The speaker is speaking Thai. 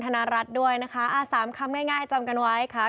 ธนรัฐด้วยนะคะสามคำง่ายจำกันไว้ค่ะ